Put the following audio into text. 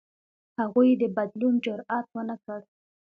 هغوی د بدلون جرئت ونه کړ.